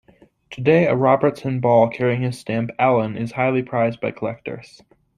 Today a Robertson ball carrying his stamp "Allan" is highly prized by collectors.